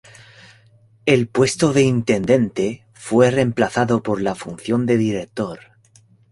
El puesto de intendente fue remplazado por la función de director.